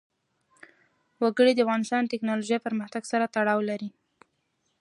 وګړي د افغانستان د تکنالوژۍ پرمختګ سره تړاو لري.